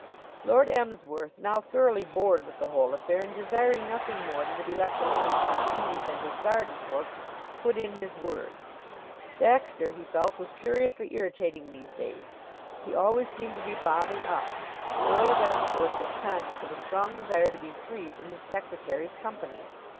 Lord Emsworth, now thoroughly bored with the whole affair and desiring nothing more than to be left alone with his weeds and his garden fork, put in his word. Baxter, he felt, was curiously irritating these days. He always seemed to be bobbing up. The Earl of Emsworth was conscious of a strong desire to be free from his secretary's company.